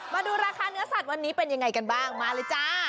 มาดูราคาเนื้อสัตว์วันนี้เป็นยังไงกันบ้างมาเลยจ้า